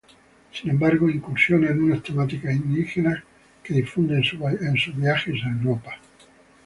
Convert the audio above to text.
Sin embargo incursiona en una temática indígena, que difunde en sus viajes a Europa.